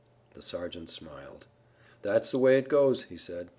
The sergeant smiled. "That's the way it goes," he said.